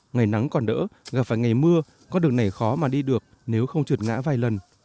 ngày nắng còn đỡ gặp phải ngày mưa con đường này khó mà đi được nếu không trượt ngã vài lần